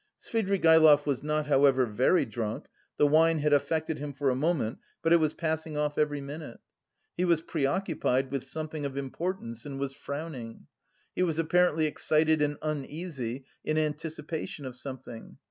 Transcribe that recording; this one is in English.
Svidrigaïlov was not however very drunk, the wine had affected him for a moment, but it was passing off every minute. He was preoccupied with something of importance and was frowning. He was apparently excited and uneasy in anticipation of something.